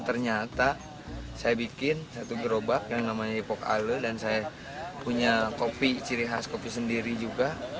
ternyata saya bikin satu gerobak yang namanya hipok ale dan saya punya kopi ciri khas kopi sendiri juga